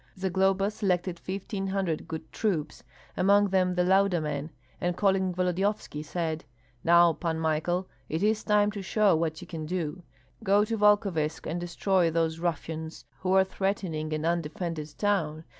Zagloba selected fifteen hundred good troops, among them the Lauda men, and calling Volodyovski, said, "Now, Pan Michael, it is time to show what you can do. Go to Volkovysk and destroy those ruffians who are threatening an undefended town.